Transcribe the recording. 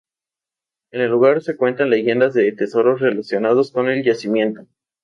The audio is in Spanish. En el lugar se cuentan leyendas de tesoros relacionados con el yacimiento.